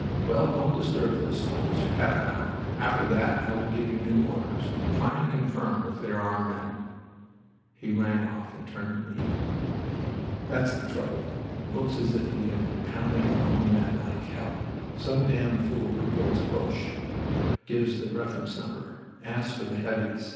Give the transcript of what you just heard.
Well, don't disturb those fellows for half an hour. After that I will give you new orders. Try and confirm if they are our men." He rang off and turned to me. "That's the trouble. Looks as if we had been pounding our own men like hell. Some damn fool reports 'Boches.' Gives the reference number. Asks for the 'Heavies'.